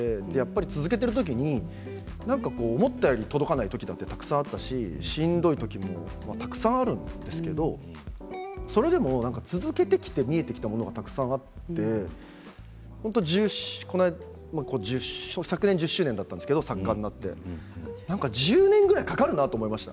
続けている時に思ったより届かない時もたくさんあったし、しんどい時もたくさんあるんですけどそれでも続けてきて見えてきたものはたくさんあって昨年１０周年だったんですけど作家になってやっぱり１０年ぐらいかかるんだと思いました。